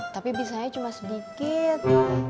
tapi bisanya cuma sedikit